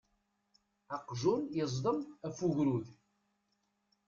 Aqjun yeẓdem af ugrud.